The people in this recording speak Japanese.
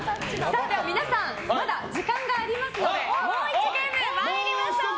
皆さんまだ時間がありますのでもう１ゲーム参りましょう。